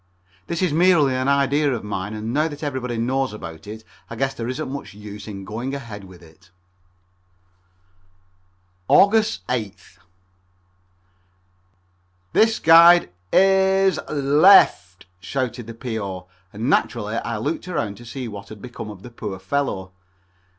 This is merely an idea of mine, and now that everybody knows about it I guess there isn't much use in going ahead with it. Aug. 8th. "This guide i s l e f t!" shouted the P.O., and naturally I looked around to see what had become of the poor fellow.